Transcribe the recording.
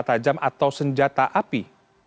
tajam atau senjata api